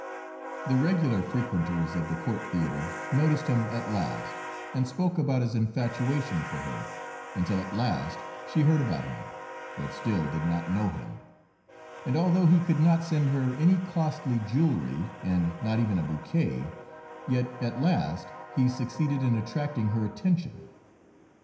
The regular frequenters of the Court theater noticed him at last, and spoke about his infatuation for her, until at last she heard about him, but still did not know him, and although he could not send her any costly jewelry, and not even a bouquet, yet at last he succeeded in attracting her attention.